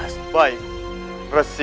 saya akan mencari